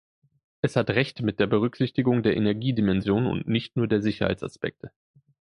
Es hat recht mit der Berücksichtigung der Energiedimension und nicht nur der Sicherheitsaspekte.